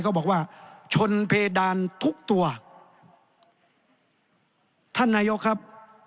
เขาบอกว่าชนเพดานทุกตัวท่านนายกครับ